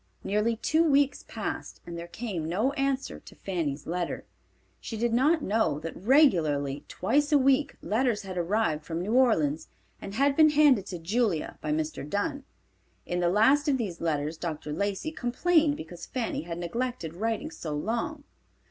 Nearly two weeks passed, and there came no answer to Fanny's letter. She did not know that regularly, twice a week, letters had arrived from New Orleans, and had been handed to Julia by Mr. Dunn. In the last of these letters, Dr. Lacey complained because Fanny had neglected writing so long.